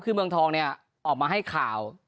คือเมืองทองเนี่ยออกมาให้ข่าว